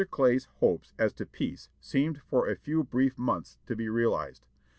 Clay's hopes as to peace seemed for a few brief months to be realized.